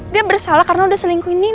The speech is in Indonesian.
dia bersalah karena udah selingkuhin nino